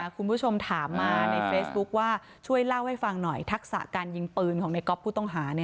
คุณผู้ชมถามมาในเฟซบุ๊คว่าช่วยเล่าให้ฟังหน่อยทักษะการยิงปืนของในก๊อฟผู้ต้องหา